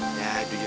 ya jujur aja ya